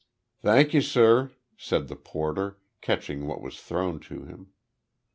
"Thank you, sir," said the porter, catching what was thrown to him.